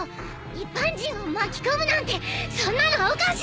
一般人を巻き込むなんてそんなのおかしいだろ！